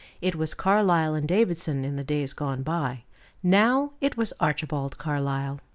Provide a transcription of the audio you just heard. It was Carlyle & Davidson in the days gone by; now it was Archibald Carlyle.